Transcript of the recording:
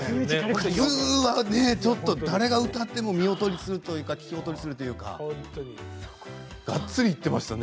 普通はちょっと誰が歌っても見劣りするというか聞き劣りするというかがっつりいっていましたね。